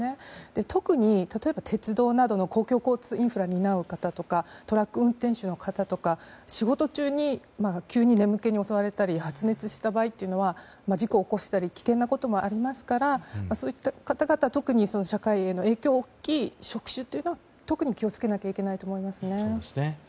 特に、例えば鉄道などの公共交通インフラを担う方とかトラック運転手の方とか仕事中に急に眠気に襲われたり発熱した場合は事故を起こしたり危険なこともありますからそういった方々は特に社会への影響が大きい職種というのは特に気をつけなければいけないと思いますね。